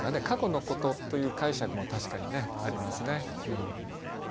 過去のことという解釈も確かにありますね。